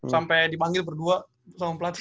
sampai dipanggil berdua sama pelatih